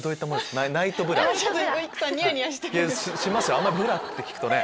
あんまりブラって聞くとね。